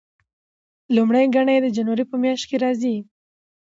لومړۍ ګڼه یې د جنوري په میاشت کې راځي.